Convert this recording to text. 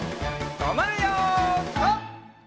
とまるよピタ！